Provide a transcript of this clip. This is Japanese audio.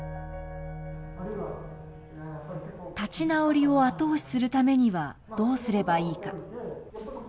立ち直りを後押しするためにはどうすればいいか。